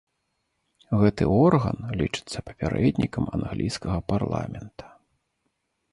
Гэты орган лічыцца папярэднікам англійскага парламента.